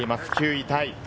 ９位タイ。